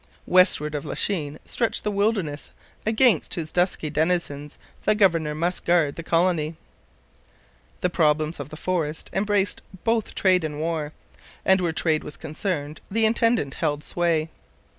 Westward of Lachine stretched the wilderness, against whose dusky denizens the governor must guard the colony. The problems of the forest embraced both trade and war; and where trade was concerned the intendant held sway.